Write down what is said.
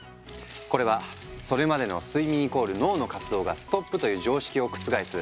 これはそれまでの「睡眠＝脳の活動がストップ」という常識を覆す